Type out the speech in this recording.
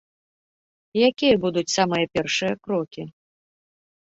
Якія будуць самыя першыя крокі?